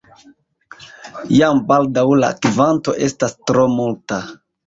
Jam baldaŭ la kvanto estas tro multa.